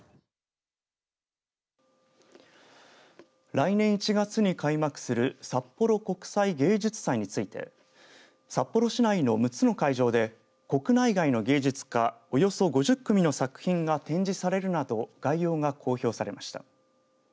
来年１月に開幕する札幌国際芸術祭について札幌市内の６つの会場で国内外の芸術家およそ５０組の作品が展示されるなど概要が公表されました。